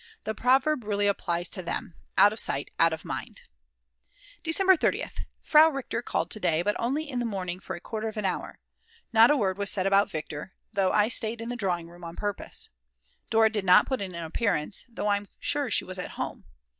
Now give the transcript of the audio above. The proverb really applies to them: Out of sight out of mind. December 30th. Frau Richter called to day, but only in the morning for a quarter of an hour. Not a word was said about Viktor, though I stayed in the drawing room on purpose. Dora did not put in an appearance, though I'm sure she was at home.